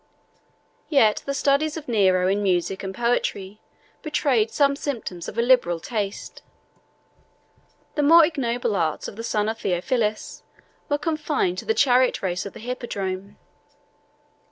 Yet the studies of Nero in music and poetry betrayed some symptoms of a liberal taste; the more ignoble arts of the son of Theophilus were confined to the chariot race of the hippodrome.